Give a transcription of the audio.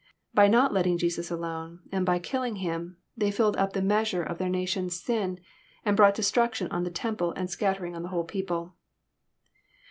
By not letting Jesus alone, and by killiug Him, they filled up the measure of their nation's sin, and brought destrucidon on the temple, and scattering on the whole people.